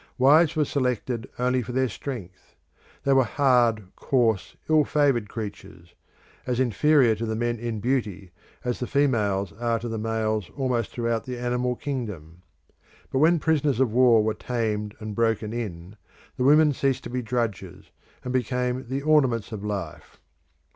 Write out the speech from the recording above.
Wives were selected only for their strength. They were hard, coarse, ill favoured creatures, as inferior to the men in beauty as the females are to the males almost throughout the animal kingdom. But when prisoners of war were tamed and broken in, the women ceased to be drudges, and became the ornaments of life.